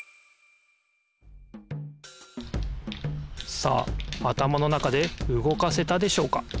さああたまの中でうごかせたでしょうか？